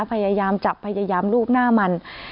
พยายามจับพยายามลูบหน้ามัน